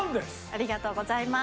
ありがとうございます。